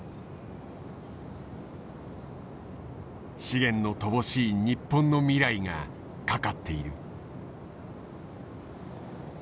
資源の乏しい日本の未来が懸かっている。